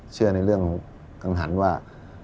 เชื่อในเรื่องกังหันว่า